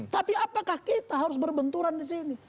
tapi apakah kita harus berbenturan di sini